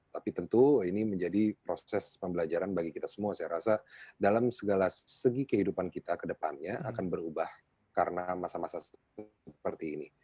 tapi tentu ini menjadi proses pembelajaran bagi kita semua saya rasa dalam segala segi kehidupan kita ke depannya akan berubah karena masa masa seperti ini